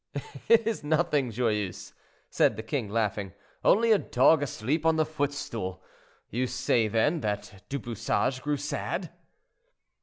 "It is nothing, Joyeuse," said the king, laughing, "only a dog asleep on the footstool. You say, then, that Du Bouchage grew sad?